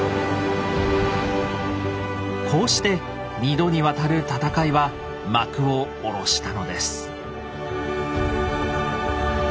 こうして２度にわたる戦いは幕を下ろしたのです。